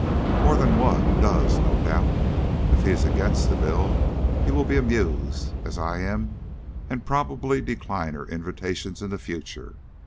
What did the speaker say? "More than one does, no doubt. If he is against the bill he will be amused, as I am, and probably decline her invitations in the future.